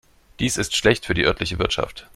Dies ist schlecht für die örtliche Wirtschaft.